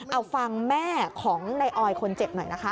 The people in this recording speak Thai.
เอาฟังแม่ของนายออยคนเจ็บหน่อยนะคะ